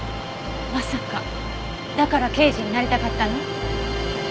まさかだから刑事になりたかったの？